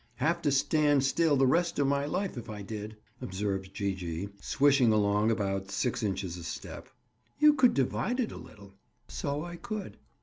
"Have to stand still the rest of my life if I did," observed Gee gee, swishing along about six inches a step. "You could divide it a little." "So I could."